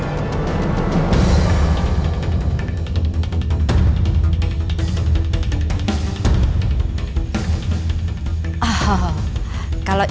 mas dewa dan mbak lady